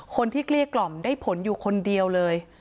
เกลี้ยกล่อมได้ผลอยู่คนเดียวเลย